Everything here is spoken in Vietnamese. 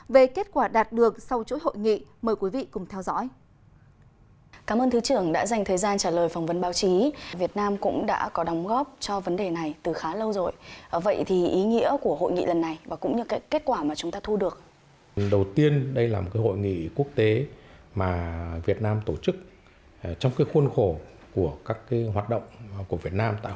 về kết quả đạt được sau chuỗi hội nghị mời quý vị cùng theo dõi